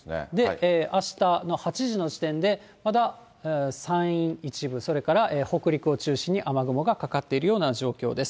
あしたの８時の時点で、まだ山陰一部、それから北陸を中心に雨雲がかかっているような状況です。